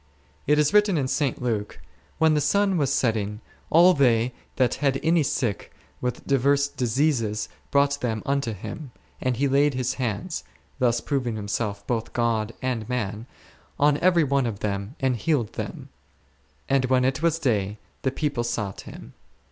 It is written in St. Luke, When the sun was setting, all they that had any sick with divers diseases hrought them unto Him, and He laid His hands (thus proving Himself both God and man) on every one of them and healed them ; and when it was day — the people sought Him.